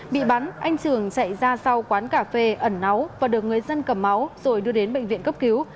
bị bắn anh trường chạy ra sau quán cà phê ẩn náu và được người dân cầm máu rồi đưa đến bệnh viện cấp cứu